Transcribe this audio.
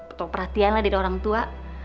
atau perhatian lah dari orang tua